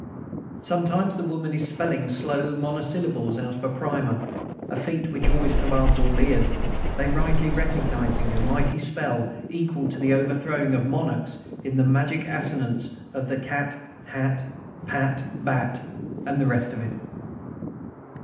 Sometimes the woman is spelling slow monosyllables out of a primer, a feat which always commands all ears, they rightly recognizing a mighty spell, equal to the overthrowing of monarchs, in the magic assonance of cat, hat, pat, bat, and the rest of it.